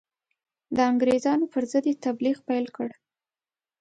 د انګرېزانو پر ضد یې تبلیغ پیل کړ.